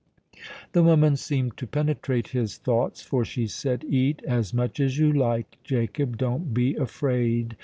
The woman seemed to penetrate his thoughts; for she said, "Eat as much as you like, Jacob: don't be afraid.